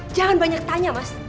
jangan banyak tanya mas